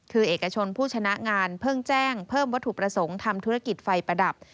คือเอกชนผู้ชนะงานเพิ่งแจ้งเพิ่มวัตถุประสงค์ทำธุรกิจไฟประดับ